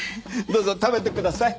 どうぞ食べてください。